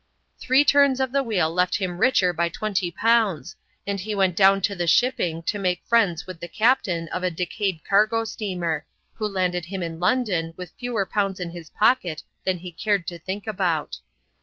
Three turns of the wheel left him richer by twenty pounds, and he went down to the shipping to make friends with the captain of a decayed cargo steamer, who landed him in London with fewer pounds in his pocket than he cared to think about.